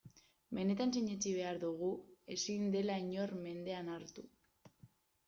Benetan sinetsi behar dugu ezin dela inor mendean hartu.